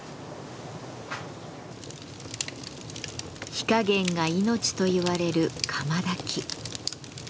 「火加減が命」といわれる釜焚き。